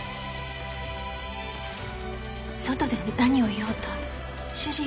外で何を言おうと主人は。